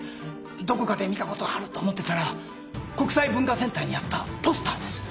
どこかで見たことあると思ってたら国際文化センターにあったポスターです。